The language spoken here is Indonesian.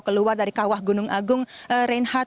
keluar dari kawah gunung agung reinhardt